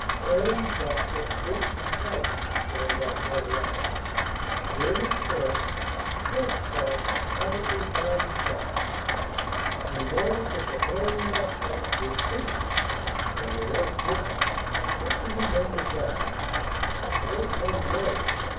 "Herrn Dr. H. Weiss," Thorndyke read aloud. "German stamp, postmark apparently Darmstadt. You notice that the 'Herrn Dr.' is printed and the rest written. What do you make of that?" "I don't quite know.